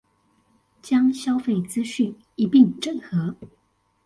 將消費資訊一併整合